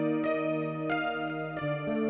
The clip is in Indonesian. om di depan nya